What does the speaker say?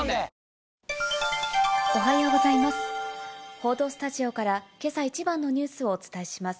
報道スタジオから、けさ一番のニュースをお伝えします。